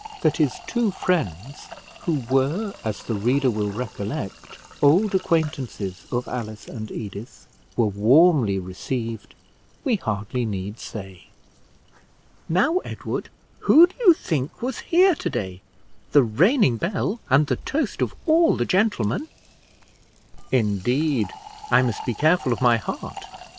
That his two friends, who were, as the reader will recollect, old acquaintances of Alice and Edith, were warmly received, we hardly need say. "Now, Edward, who do you think was here to day the reigning belle, and the toast of all the gentlemen?" "Indeed! I must be careful of my heart.